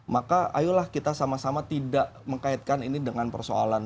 maka ayolah kita sama sama tidak mengkaitkan ini dengan persoalan